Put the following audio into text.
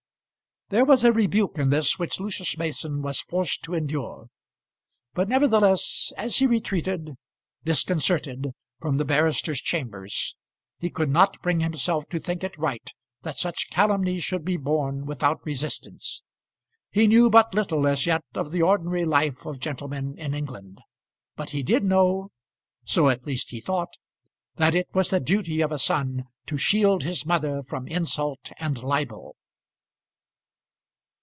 There was a rebuke in this which Lucius Mason was forced to endure; but nevertheless as he retreated disconcerted from the barrister's chambers, he could not bring himself to think it right that such calumny should be borne without resistance. He knew but little as yet of the ordinary life of gentlemen in England; but he did know, so at least he thought, that it was the duty of a son to shield his mother from insult and libel.